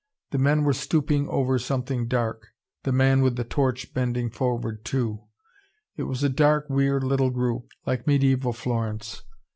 The men were stooping over something dark, the man with the torch bending forward too. It was a dark, weird little group, like Mediaeval Florence.